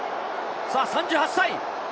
３８歳。